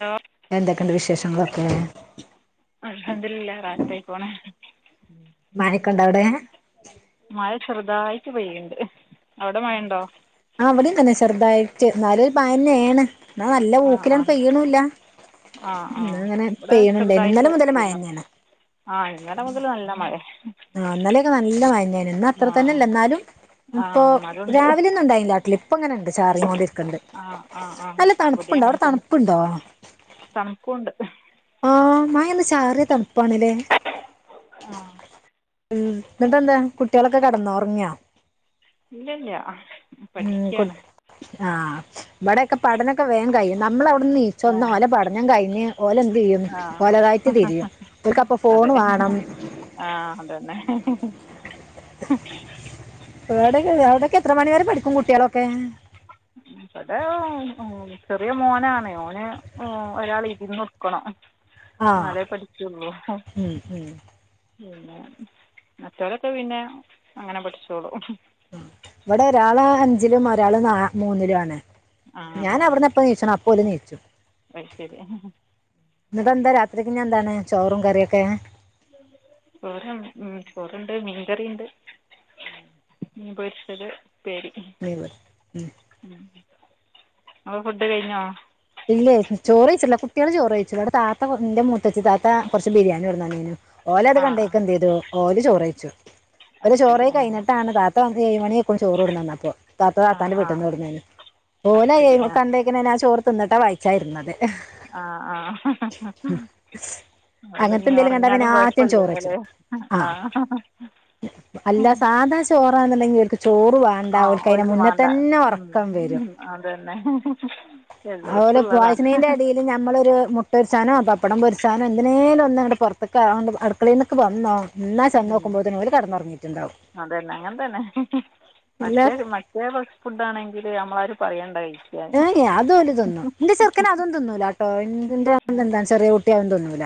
Hello എന്തൊക്കെണ്ട് വിശേഷങ്ങളൊക്കെ? അൽഹംദുലില്ലാഹ് റാഹത്തായി പോണ് മയൊക്കെണ്ടൊ അവിടെ മഴ ചെറുതായിട്ട് പെയ്യണ്ട് അവിടെ മഴണ്ടോ? ആഹ് ഇവിടെയും തന്നെ ചെർതായിട്ട് ന്നാല് ഒരു മഴന്നേണ് ന്നാ നല്ല ആ ആ ഊക്കിലങ്ങ് പെയ്യ്ണൂല്ല ആ ആ ഇന്നലെ അങ്ങനെ ഇവിടെ പെയ്യ്ണുണ്ടായിന്നു ഇന്നലെ മുതല് മയന്നാണ് ആഹ് ഇന്നലെ മുതല് നല്ല മഴേ ആഹ് ഇന്നലൊക്കെ നല്ല മഴന്നേണ് ഇന്ന് അത്ര തന്നെല്ല ആ എന്നാലും ആ അപ്പൊ മഴയുണ്ട് രാവിലെ ഒന്നുണ്ടായിന്നില്ല ട്ടിലിം ഇപ്പ ഇങ്ങനെണ്ട് ചാറീങ്കോണ്ട് ഇരിക്ക്‌ണിണ്ട് ആഹ് ആഹ് ആഹ് ഇവിടേം അങ്ങനെ തന്നെ തണുപ്പുണ്ടോ തണ്ക്കൂണ്ട് ആഹ് മയ ഒന്ന് ചാറിയ തണുപ്പാണ് ല്ലേ ആ ഉം ഇന്നിട്ടന്താ കുട്ട്യാളൊക്കെ കടന്നോ ഉറങ്ങ്യോ ഇല്ല ഇല്ല പഠിയ്ക്കാണ് ആഹ് ഇബടെയൊക്കെ പഠനൊക്കെ വേൻ കയ്യും നമ്മളെ ആ നീച്ചൊന്ന് ഓല പടനം കഴിഞ് ഓല എന്ത് ചെയ്യും ആ ഓലതായിട്ട് തിരിയും ഓൽക്കപ്പൊ ഫോണ് വേണം ആഹ് അതന്നെ വേടൊക്കെ അവിടൊക്കെ എത്ര മണിവരെ പഠിക്കും കുട്ട്യാളൊക്കെ ബടെ ചെറിയ മോനാണ് ഓന് ഉം ഒരാള് ഇരുന്നൊടുക്കണം ആ ന്നാലെ പഠിച്ചൊള്ളൂ ഉം, ഉം. പിന്നെ മറ്റോരൊക്കെ പിന്നെ അങ്ങനെ പഠിച്ചോളൂ ഇവിടെ ഒരാള് അഞ്ചിലും ഒരാള് ന മൂന്നിലുംആണ് ആ ഞാനവർന്ന് പ്പ നീച്ചണം അപ്പോല് നീച്ചു അയ്ശെരി ന്ന്ട്ട് എന്താ രാത്രിക്ക് ഞ്ഞി എന്താണ് ചോറും കറിയൊക്കെ ഓരം ഉം ചോറുണ്ട് മീൻകറിയുണ്ട് മീൻ പൊരിച്ചത് ഇപ്പേരി വേവ് ഉം ഉം അപ്പ ഫുഡ്ഡ് കഴിഞ്ഞോ ഇല്ലേ ചോറൈച്ചിട്ടില്ല കുട്ട്യാള് ചോറ് വൈച്ച്ണ് ഇവിടെ താത്ത ന്റെ മൂത്തച്ചി താത്ത കുറച്ച് ബിരിയാണി കൊടുന്ന ന്നീന്നു ഓലത് ആ ആ കണ്ടേക്ക്‌ എന്ത് ചെയ്തു ഓല് ചോറയ്ച്ചു അത് ഓലെ ശരി ചോറയി ആ കഴിഞ്ഞിട്ടാണ് ത ത്ത ഏഴ് മണി ആയിക്കുണു ചോറ് കൊടുന്ന് തന്നപ്പോ താത്ത ആ താത്താന്റെ ആ വീട്ടന്ന് കൊടുന്നേണ് അത് ഓലയ് ശരി ആ കണ്ടേ ക്കെങ്ങനെന്നാ ചോർ തിന്നിട്ട വായിച്ചായിരുന്നത് ആഹ് ആഹ് അങ്ങനത്തെ അതോണ്ടിഞ്ഞി എന്തെങ്കിലും കണ്ടാ പിന്നെ ഉറങ്ങ്യാലും ആദ്യം ചോറ് കൊഴപ്പല്ലല്ലോ വെച്ചു ല്ലെ ആ ആഹ് അല്ല സാധാ ചോറാന്നുണ്ടെങ്കി ഓൽക്ക് ചോറു വാ ആ വാണ്ടാ ഓൽക്ക് അയ്ന്റെ മുന്ന തന്നെ ഉറക്കം വരും അതന്നെ എല്ലോടുത്തുള്ളതാ നമ്മളൊര് മുട്ടര്ച്ചാനോ പപ്പടം പൊര്ച്ചാനോ എന്തനെലൊന്ന് ങ്ങണ്ട് പൊർത്ക്ക് അഓണ്ട് അടുക്കളീനോക്കെവന്നോ ഉം അതന്നെ അങ്ങൻതന്നെ എല്ലാ മറ്റേ രു മ ദേ പോൽത്തെ ഫുഡ് ആണെങ്കിൽ നമ്മളാര് പറയേണ്ടായി ഏഏ അത് ഓല് തിന്നും ന്റെ ചെറുക്കന് അതും തിന്നൂല ട്ടോന്റെന്ത എന്താ ചെറിയ കുട്ടിയ ആതും തിന്നൂല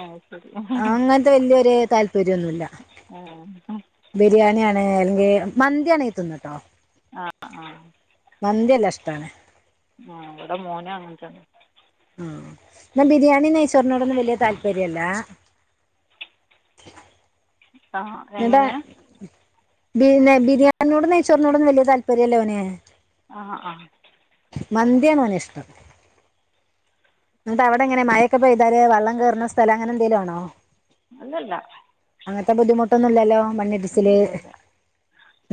ആഹ് ശരി ഹ് ഹ് ഹാ. ല്യരു താല്പര്യൊന്നുല്ല. ആഹ് ഹാ ബിരിയാണിയാണ് അല്ലെങ്കി മന്തി ആണെങ്കി തിന്നുട്ടോ. അ ആഹ് ന്തില്ലഷ്ട്ടാണ്. ആഹ് വടെ മോന് അങ്ങൻതന്നെ. ന്നാ ബിരിയാണി നൈചോറിനോടൊന്നും വല്യ താല്പര്യല്ല. ആ എ എങ്ങനെ ബി ന്നെ ബിരിയാണിനോടും നെയ്ച്ചോറിനോടും വല്യയ താല്പര്യല്ല ഓന്. അ ആഹ് മന്തിയാണ് ഓന് ഇഷ്ട്ടം. അവിടെ എങ്ങനെ മഴക്കെ പോയ്താല് വള്ളം കേറ്ണ സ്ഥലംങ്ങനെ എന്തേലും ആണോ? ഇല്ലല്ല. ൻത്തെ ബുദ്ധിമുട്ടൊന്നുല്ലല്ലോ മണ്ണിടി ഒന്നുല്ല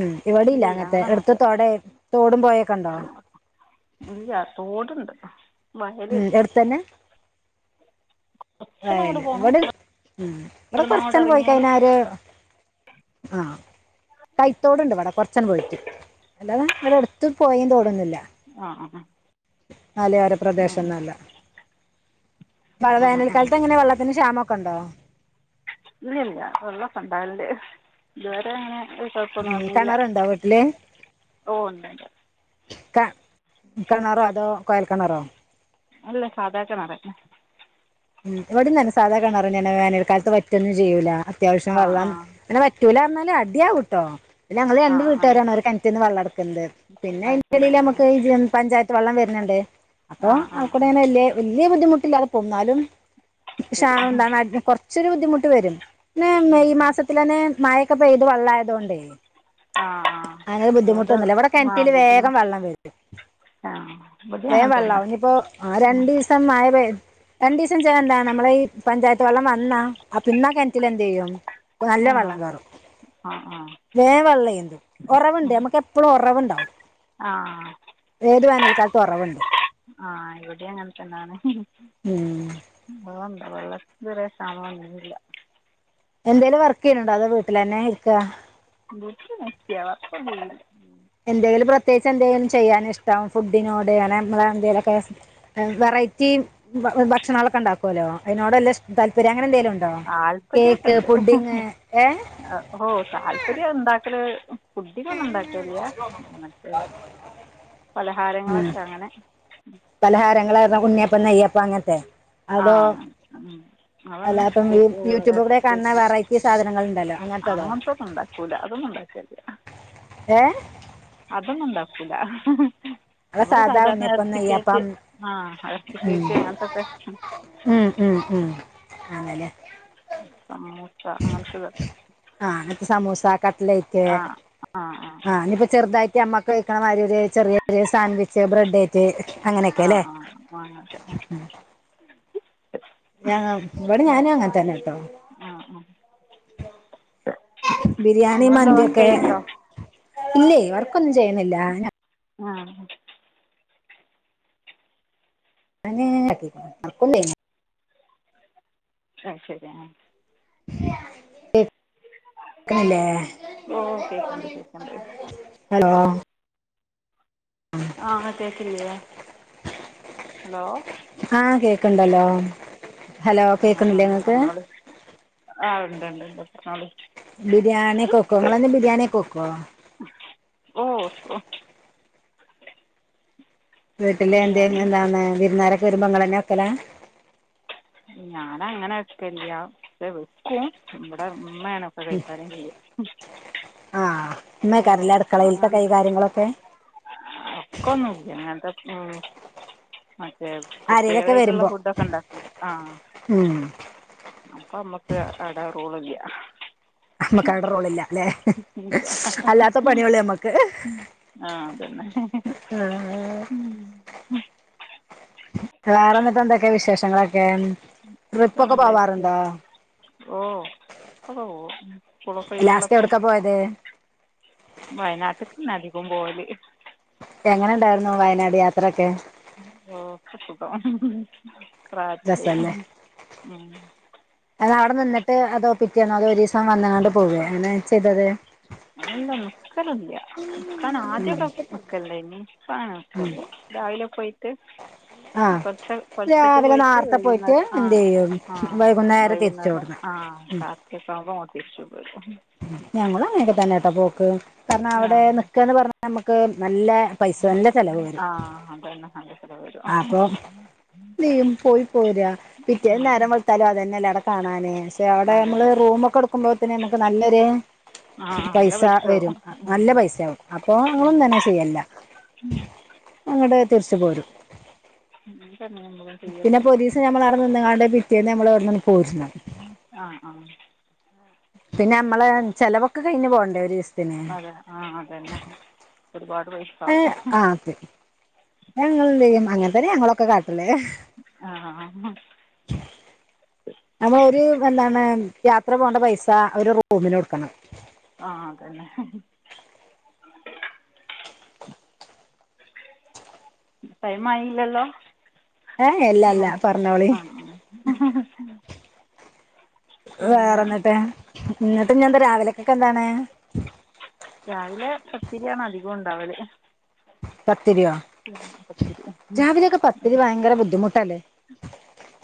ഉം ഇവടീല്ല അങ്ങൻത്തെ എടുത് തൊടേ തോടും പോഴേക്കെണ്ടോ ഇല്ല ത്തോട്ണ്ട്. എട്തന്നെ? കുറച്ചൊന്നങ്ങോട്ട് അല്ല പോകണം ഇവടെ ഉം ഇവിടെ ഇവിടുന്ന് അങ്ങോട്ട് കൊറച്ചാണ്ട് പോയി ഇറങ്ങിയാൽ കയഞ്ഞാര് ആഹ് ത്തോട്ണ്ട് ഇബടെ കുറച്ചണ്ട് പോയിട്ട് അല്ലാതെ ഇവടെ അടുത്ത് പോയിം തോടൊന്നുല്ല. ആഹ് ആഹ് മലയോര പ്രദേശന്നുംല്ല. ആ ആ വേനൽക്കാലത്ത് എങ്ങനെ വെള്ളത്തിന് ക്ഷമൊക്കെ ഇണ്ടോ? ഇല്ല വെള്ളൊെക്കെ ഇണ്ടാവല്ണ്ട് ഇതുവരെ അങ്ങനെ. ത് കൊഴപ്പൊന്നും ഉം വന്നില്ല കിണറുണ്ടോ വീട്ടില് ഓ ഇണ്ട്. ക കെണാറോ അതോ കോയൽ കെണറോ. അല്ല സാധാ കെണറ്. വടിം തന്നെ സാധാ കെണറനെണ്‌ വേനൽക്കാലത്ത് വറ്റൊന്നും ചെയ്യൂല അത്യാവശ്യം ആ ആ വെള്ളം പിന്നെ വറ്റൂല ർഞാല് അടിയാവുട്ടോ. ങ്ങങ്ങള് ആ രണ്ട് ആ വീട്ടുകാരാണ് ഒരു കെൺറ്റിന്ന് വള്ളംട്ക്ക്ണത് പിന്നെ അത് അയ്ന്റെ ശരി എടേല് നമുക്ക് ജ് പഞ്ചായ വെള്ളം വര്ന്ണ്ട് ആ അപ്പൊ ആ ആ അവക്കൂടെ ഇങ്ങനെ വ വല്യ ബുദ്ധിമുട്ടില്ലാതെ പോവും ന്നാലും. ശരി ഷാമം എന്താ കുറച്ചൊരു ബുദ്ധിമുട്ട് വരും പിന്നെ മെയ് മാസ ത്തിലന്നെ മഴക്കെ പെയ്ത് വെള്ളായതോണ്ടേ. ആ ആ അങ്ങനെ ബുദ്ധിമുട്ട് അതുകൊണ്ട് ഒന്നുല്ല ഇവിടെ ആ കെണറ്റില് വേഗം ബുദ്ധിമുട്ട് വള്ളം വരും. ആ ഇവിടെയും അങ്ങനെ തന്നെ വള്ളാവും ഇനിപ്പോ ആഹ് രണ്ടിസം ആഹ് രണ്ടിസ് ച്ചാ എന്താണ് നമ്മളെ ഈ പഞ്ചായത്ത് വെള്ളം വന്നാ അ പിന്നെ ആഹ് കെൻറ്റിലെ എന്തെയ്യും. നല്ല ആ ആ വെള്ളം കേറും ആ വെള്ളം എന്തു ഒറവ്ണ്ട് നമ്മക്ക് എപ ഉറവ്ണ്ടാവും. ആഹ് ഉറവുണ്ട് ആഹ് ഇവിടെ അങ്ങൻത്തന്നെണ്. ഉം. [unintelligible] വെള്ളത്തിന് ത് വരെ ക്ഷാമം ഒന്നും ഇല്ല. എന്തേലും വർക്ക് ചെയ്ണ്‌ണ്ടോ അതോ വീട്ടിലന്നെ ഇരിക്ക. [unintelligible] വർക്കൊന്നു ചെയ്ല്ല എന്തെങ്കിലും പ്രത്യേകച്ച് എന്തെലും ചെയ്യാന ഇഷ്ട്ടാണോ ഫുഡിനോ അങ്ങനെ എന്തെലൊക്കെ. വെറൈറ്റി ഭക്ഷണങ്ങളൊക്കെ ഉണ്ടാക്കുവല്ലോ അതിനോട് വല്ല താല്പര്യം അങ്ങനെ എന്തെങ്കലും ഇണ്ടോ? താൽപ്പര്യമൊക്കെ കേക്ക് ഉണ്ട് പുഡ്ഡിംഗ് ഏ? ഓ താല്പര്യം ഉണ്ടാക്കല് പുഡിങ്ങൊന്നും ഉണ്ടാക്കെല്ല മറ്റേ ഉം. പലഹാരങ്ങളൊക്കെ അങ്ങനെ പലഹാരങ്ങൾ [unintelligible] ഉണ്ണിയപ്പം നയ്യപ്പം അങ്ങൻത്തെ? ആഹ് അല്ല അതന്നെ ഇപ്പം ഈ യൂട്യൂബിൽ കേക്ക് കൂടെ കാണുന്ന [unintelligible] വെറൈറ്റി സാധനങ്ങൾ ഉണ്ടല്ലോ അങ്ങനത്തതോ അങ്ങനത്തെ ഒന്നും ഇണ്ടാക്കൂല അതൊന്നും ഇണ്ടാക്കല്ല. ഏ അതൊന്നും ഉണ്ടാക്കൂല. അത് നമ്മള് സാധാ സാധാരണ ഉണ്ണിയപ്പം എറ്ച്ചി കേക്ക് നെയ്യപ്പം ആഹ് എറ്ച്ചി കേക്ക് അങ്ങനത്തെക്കെ ഉം ഉം ഉം ആണല്ലോ സമൂസ അങ്ങന് ത്തത്. ആഹ് ഇപ്പ സമൂസ കട്ലൈറ്റ് ആ ആ ഉം. ആഹ് ഇനിയിപ്പ ചെറുതായിട്ട് നമ്മക്ക് കഴിക്കണ മാ ചെറിയ ചെറിയെ സാൻവിച്ച് ബ്രെഡേറ്റ് അങ്ങനെയൊക്കെ ആ അല്ലേ? [unintelligible] ഞ ഇവടെ ഞാനും അങ്ങനെത്തന്നെ ട്ടോ. ആഹ് ആഹ്. ബിരിയാണി മന്തിയൊക്കെ ഇല്ലേ വർക്കൊന്നും ചെയ്യുന്നില്ല. ആഹ്. [unintelligible] അത് ശരി ആഹ്. [unintelligible] ചെയ്യണില്ലേ ഓ കേക്ക്ണ്ട് കേക്ക്ണ്ട്. ഹലോ? ആഹ് കേക്കില്ലേ ഹലോ? ആഹ് കേക്ക്ണ്ടല്ലോ ഹലോ കേക്ക്ണില്ലേ ഇങ്ങക്ക്? ആഹ് ഉണ്ട് ഉണ്ട്ണ്ട്ണ്ട് പറഞ്ഞോളി ബിരിയാണി ഒക്കെ വെക്കോ നിങ്ങളന്നും ബിരിയാണി വെക്കോ? ഓ ഒ. വീട്ടിലെ [unintelligible] വിരുന്നാരക്കെ വരുമ്പ ഇങ്ങളെന്നെ വേക്കല? ഞാന അങ്ങനെ വെക്കല്ല വെക്കും ഇവിടെ ഉമ്മയാണ്. [unintelligible] ആഹ് ഉമ്മ ക്കാരല്ലേ അടുക്കളയിൽത്തെ കൈകാര്യങ്ങളൊക്കെ? ഒക്ക ഒന്നുല്ല ഇങ്ങന് ത്തെ ഉം. ആരേലൊക്കെ പ്രത്യേകതായിട്ടുള്ള വരുമ്പോ ഫുഡ് ഒക്കെ ഉണ്ടാക്കുമ്പേആഹ്. ഉം അപ്പ ഞമ്മക്ക് അവിടെ റോളില്ല. നമ്മക്ക് അവിടെ റോളില്ല അല്ലേ ഇല്ല അല്ലാത്ത പണികള് ഞമ്മക്ക്. ആഹ് അതന്നെ. [unintelligible] വേറെ എന്നിട്ട് എന്തൊക്കെയ വിശേഷങ്ങളൊക്കെ ട്രിപ്പ് ഒക്കെ നല്ല പോവാറുണ്ടോ? വിശേഷം ഓ ട്രിപ്പൊക്കെ പോകും സ്കൂളൊക്കെ ലാസ്റ്റ് ഒഴിവുള്ളപ്പം. എവിട്ക്കാ പോയത് വയനാട്ട്ക്ക് അധികം പോവല്. എങ്ങനെ ഉണ്ടായിരുന്നു വയനാട് യാത്രൊക്കെ? ഓക്ക സുഖം രസല്ലേ റാഹത്തേനി ഉം അവിടെ നിന്നിട്ട് അതോ പിറ്റിന്നോ അതോ ഒരീസം വന്നങ്ങണ്ട് പോവ എങ്ങനെ ചെയ്തത്? അല്ല നിക്കലില്ല നിക്കാന് ആദ്യൊക്കെ നിക്കലിണ്ടായിനി ഇപ്പ അങ്ങനെ ഉം നിക്കലില്ല. രാവിലെ പോയിട്ട് ആഹ് പുലർച്ച പുലർച്ചയ്ക്ക് രാവിലെ പോയിട്ട് നാർത്തെ പോയിട്ട് വൈകുന്നേരം ആഹ് എന്തെയ്യും ആഹ് വൈകുന്നേരം തിരിച്ചോട്ന്ന് ആഹ് [unintelligible] ഞങ്ങളും അങ്ങനെയൊക്കെ തന്നൊട്ടാ പോക്ക് കാരണം ആ അവിടെ നിക്കാന്ന് പറഞ്ഞ നമുക്ക് നല്ല പൈസ നല്ല ചെലവ് വരും ആ അത് ന്നെ നല്ല ചെലവ് വരും [inaudible] നീയും പോയി പോരാ പിറ്റേന്ന് നേരം വെള്ത്താല് അതേന്നെയല്ല അവിടെ കാണാന് പക്ഷെ അവിടെ മ്മള് അതന്നെ റൂമൊക്കെ എടുക്ക നക്കുമ്പോത്തിന് നമുക്ക് നല്ലൊരു ആ നല്ല പൈസ വരും ആവും നല്ല പൈസയാകും അപ്പൊ ഞങ്ങളും തന്നെ ചെയ്യല്ല അങ്ങട്തിരിച്ച പോരും [inaudible] പിന്നെപൊരീസം നമ്മൾ അവിടെ നിന്നാണ്ട് പിറ്റേന്ന് നമ്മള് ട്ന്ന് പോര്ണം ആ ആ പിന്നെ നമ്മള് ചെലവൊക്കെ കഴഞ് പോണ്ടേ ഒരീസം അതെ ആ അതന്നെ ഒരുപാട് പൈ ഏ ആ ക്കെ ഞങ്ങളുടെയും അങ്ങന് ത്തന്നെ ഞങ്ങളൊക്കെ കാട്ടല് ആഹ നമ്മൾ ഒരു എന്താണ് യാത്ര പോകേണ്ട പൈസ ഒരു റൂമിന കൊടുക്കണം ആഹ അതന്നെ ടൈമായിയില്ലല്ലോ ഏ അല്ലല്ല പറഞ്ഞോളി. മഹ്ഹ വേറെ എന്നിട്ട് എന്നിട്ട് ഞ എന്താ രാവിലെയക്കൊക്കെ എന്താണ് രാവിലെ പത്തിരിയാണ് അതികോം ഉണ്ടാവല് പത്തിരിയോ പത്തിരി രാവിലൊക്കെ പത്തിരി ഭയങ്കര ബുദ്ധിമുട്ടല്ലേ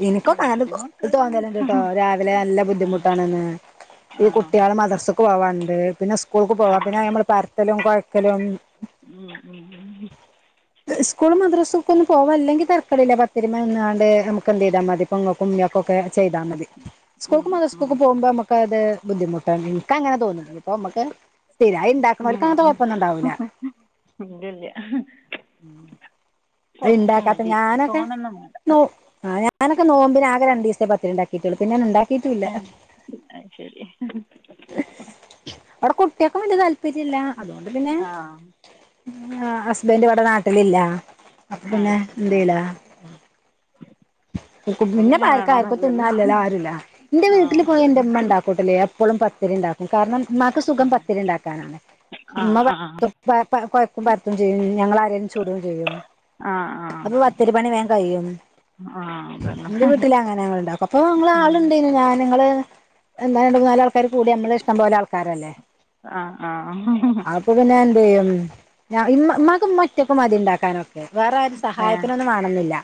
ഇൻക്കൊക്കെ അങ്ങനെ ബുദ്ധിമുട്ട് തോന്നലണ്ട് രാവിലെ നല്ല ആ ബുദ്ധിമുട്ടാണ്ന്ന് ആ ഈ കുട്ട്യാൾ മദ്രസക്ക് പോവാണ്ട് പിന്നെ സ്കു സ്കൂൾക്ക് ആ പോവാം പിന്നെ നമ്മൾ പരത്തലും കൊഴയ്ക്കലും ഉം -ഉം- ഉ സ്കൂളും മദ്രാസക്കെ ഒന്ന പോവാനിലെ ങ്കിൽ തിരക്കളില്ല പത്തിരുമ നിന്നാണ്ട് നമുക്ക് എന്ത് ചെയ്താൽ മതി നമുമക്കൊക്കെ ചെയ്താ മതി സ്കൂൾക്കും മദ്രസ്ക്കും പോകുമ്പോ ത് ബുദ്ധിമുട്ട് എനക്ക് അങ്ങനെ തോന്നുന്നു ഇപ്പൊ നമുക്ക് സ്ഥിരമായി ഓൽക്കങ്ങൻത്ത കുഴപ്പൊന്നും ഉണ്ടാവൂില്ല ഇല്ല -ഇല്ല [inaudible] ഉണ്ടാക്കാപ്പ ഞാനൊക്കെ തോനെയൊന്നും വേണ്ട നോ ഞാനൊക്കെ നോമ്പിന് ആകെ രണ്ടീസേ പത്തരി ണ്ടാ ഈ തുളപ്പ ഞാൻ ഉണ്ടാക്കിട്ടില്ല ഏ അത് ശരി ഔടെ കുട്ട്യാക്കും വലിയ താല്പര്യ ഇല്ല അതുകൊണ്ട് പിന്നെ ആ ഹസ്ബൻറ് ഇവിടെ നാട്ടിലില്ല അപ്പൊ ആ പിന്നെ ശരി ആ എന്തല അപ്പോൾ പിന്നെ ഇപ്പാർക്ക ആർക്കും വേണമെന്നില്ലല്ലോ തിന്നല്ലല്ലോ ആരുല്ല ന്റെ ആ വീട്ടില് പോയാ അതന്നെ എൻന്റെമ്മ ഉണ്ടാക്കും കൂട്ടല്ലേ എപ്പോഴും പത്തിരി ഉണ്ടാക്കും കാരണം ഉമാക്ക് സുഖം പത്തിരി ഉണ്ടാക്കാനാണ് ആ ആ ഉമ്മ ആ [unintelligible] കൊഴക്കും പരത്തും ചെയ്യും ഞങ്ങ ആരേങ്കിലും ചൂടയും ചെയ്യും ആ അപ്പൊ പത്തിര പണി വേഗം കഴിയും ആഹ ന്റെ വീട്ടില അങ്ങനെ ഞങ്ങളുണ്ടാക്കും അപ്പൊ ഞങ്ങൾ ആളുണ്ടേനി ഞാൻ നങ്ങള് രണ്ടുമുന്നാൽ കൂടി നമ്മള് ഇഷ്ടം പോലെ ആൾക്കാരല്ലേ ആ ആ ഇപ്പ പിന്നെ എന്തു ചെയ്യു ഇമ്മാക് മറ്റക്കെ മതി ഉണ്ടാക്കാനൊക്കെ വേറെ ആരു ഏ സഹായത്തിനൊന്നും വേണംന്നില്ല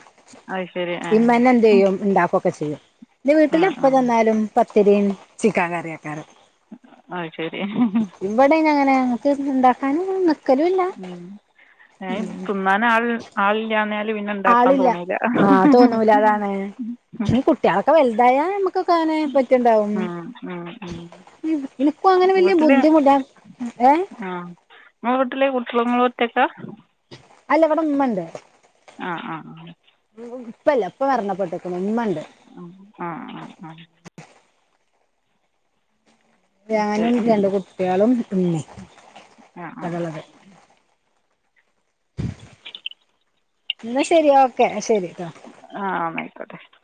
അത് ശരി ഏ മ്മന്നെ എന്ത് ചെയ്യും ഉണ്ടാക്കുകൊക്കെ ചെയ്യും എന്റെ ആ വീട്ടില ആ എപ്പ ചെന്നാലും പത്തിരിയും ചിക്കൻ കറിയാക്കാരം ആത് ശരി ഇവിടെന അങ്ങനെ അങ്ങക്ക് ഉണ്ടാക്കാനൻ ഉം ആഹ് തിന്നാൻ ആൾ ആളില്ലാന്നേ ല് പിന്നെണ്ടാക്കാൻ ആളില്ല പോണൂല്ല അഹ് ആഹ് ഹ് ഹ് ഹ് ട്ട്യായാളൊക്കെ വലുതായ നമ്മുക്ക് അങ്ങനെ പറ്റ്ണ്ടാവും ഇനിക് അങ്ങനെ വല്യ ബുദ്ധിമുട്ടാ [unintelligible] ഏഹ് ആഹ് ങ്ങളെ വീട്ടില് കുട്ട്യാളും ഇങ്ങളും ഒറ്റക്കാ അല്ല ഇവട ഉമ്മണ്ട് ആ ആ ഉം ഉ ഉപ്പില്ല ഉപ്പ മരണപ്പോട്ടേക്കണ് ഉമ്മണ്ട് ആഹ് ആഹ് ആഹ് ശരി ഞാനും രണ്ട് കുട്ടികളും ഉമ്മീം ആ ആ ആണുള്ളത് എന്നാ ശരി ഓക്കെ ശരി ആഹ് ആഹ് എന്നാ ആയിക്കോട്ടെ ശരി